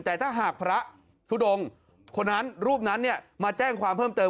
แต่ถ้าหากพระทุดงคนนั้นรูปนั้นมาแจ้งความเพิ่มเติม